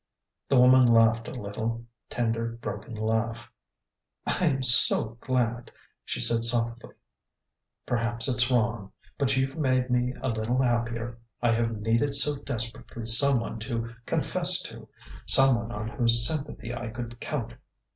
The woman laughed a little, tender, broken laugh. "I am so glad!" she said softly. "Perhaps it's wrong.... But you've made me a little happier. I have needed so desperately someone to confess to someone on whose sympathy I could count.